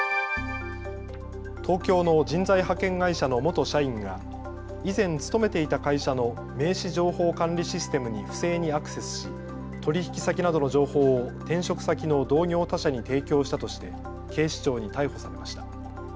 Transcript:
東京の人材派遣会社の元社員が以前勤めていた会社の名刺情報管理システムに不正にアクセスし取引先などの情報を転職先の同業他社に提供したとして警視庁に逮捕されました。